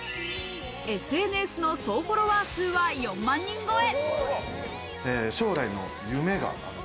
ＳＮＳの総フォロワー数は４万人超え。